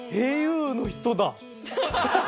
ａｕの人だ。